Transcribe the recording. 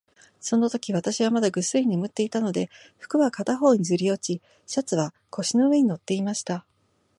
そのとき、私はまだぐっすり眠っていたので、服は片方にずり落ち、シャツは腰の上に載っていました。